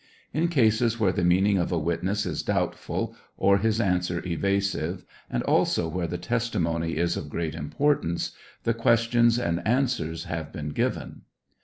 In cases where the meaning of a witness is doubtful or his answer evasive, and also where the testimony is of gi eat importance, the questions and answers have been given.